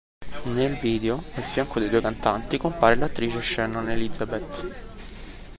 Nel video, al fianco dei due cantanti, compare l'attrice Shannon Elizabeth.